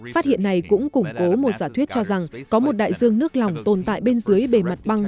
phát hiện này cũng củng cố một giả thuyết cho rằng có một đại dương nước lỏng tồn tại bên dưới bề mặt băng